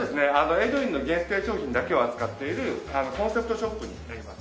エドウインの限定商品だけを扱っているコンセプトショップになります。